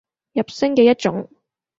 入聲嘅一種